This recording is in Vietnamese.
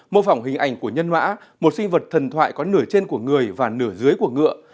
mô phỏng hình ảnh của nhân mã một sinh vật thần thoại có nửa trên của người và nửa dưới của ngựa